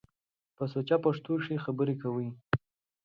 په سوچه پښتو کښ خبرې کوٸ۔